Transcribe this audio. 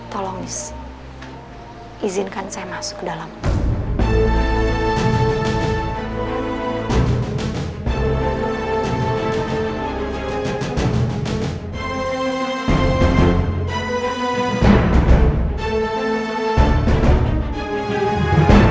saya kesini cuma mau ambil barang saya yang ketinggalan di dalam kamar